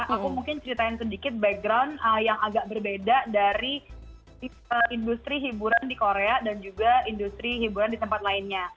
aku mungkin ceritain sedikit background yang agak berbeda dari industri hiburan di korea dan juga industri hiburan di tempat lainnya